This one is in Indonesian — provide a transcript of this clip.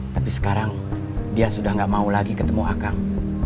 tapi sekarang dia sudah gak mau lagi ketemu akang